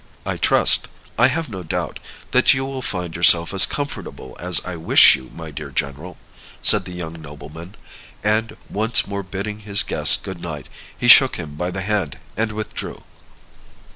"I trust I have no doubt that you will find yourself as comfortable as I wish you, my dear general," said the young nobleman; and once more bidding his guest good night, he shook him by the hand and withdrew.